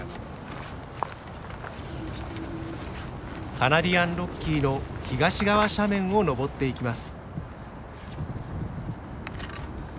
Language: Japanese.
カナディアンロッキーの東側斜面を登っていきます。